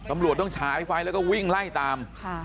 ตำรวจต้องฉายไฟแล้วก็วิ่งไล่ตาม